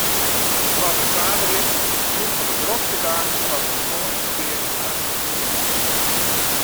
Swarte saterdei is ien fan de drokste dagen foar it fakânsjeferkear yn Frankryk.